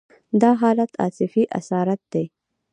دا حالت عاطفي اسارت دی.